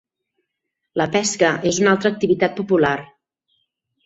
La pesca és una altra activitat popular.